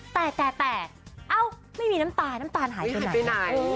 แต่แต่เอ้าไม่มีน้ำตาลน้ำตาลหายไปไหน